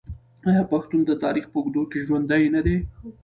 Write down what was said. آیا پښتون د تاریخ په اوږدو کې ژوندی نه دی؟